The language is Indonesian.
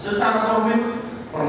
permohonan permohonan permohonan permohonan